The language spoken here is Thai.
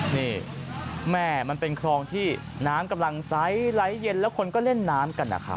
นี่แม่มันเป็นคลองที่น้ำกำลังใสไหลเย็นแล้วคนก็เล่นน้ำกันนะครับ